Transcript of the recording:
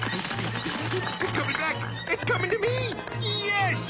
よし！